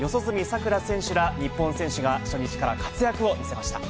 さくら選手ら日本選手が初日から活躍を見せました。